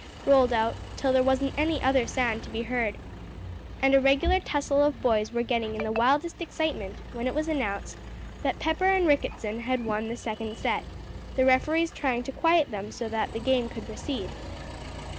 rolled out, till there wasn't any other sound to be heard. And a regular tussle of boys were getting in the wildest excitement when it was announced that Pepper and Ricketson had won the second set, the referees trying to quiet them so that the game could proceed.